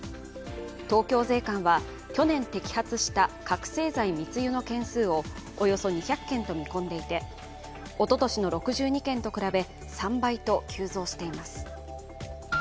東京税関は去年摘発した覚醒剤密輸の件数をおよそ２００件と見込んでいて、おととしの６２件と比べ３倍と急増しています。